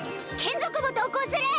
眷属も同行する！